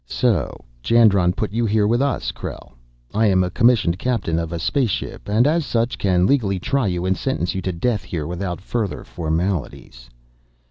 "So Jandron put you here with us! Krell, I am a commissioned captain of a space ship, and as such can legally try you and sentence you to death here without further formalities."